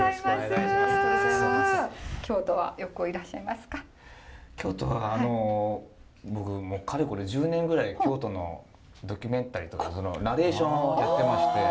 京都はあの僕もうかれこれ１０年ぐらい京都のドキュメンタリーとかナレーションをやってまして。